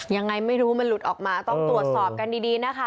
ยังไงไม่รู้มันหลุดออกมาต้องตรวจสอบกันดีนะคะ